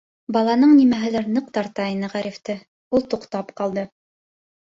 Баланың нимәһелер ныҡ тарта ине Ғарифты, ул туҡтап ҡалды.